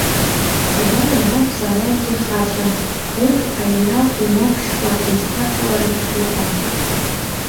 Ҵабалаа ианакәзаалакгьы ихацәан, урҭ аинрал имагәшьхәа изҭацаларан иҟам.